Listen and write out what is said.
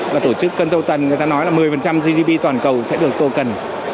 và tổ chức cân dâu tân người ta nói là một mươi gdp toàn cầu sẽ được token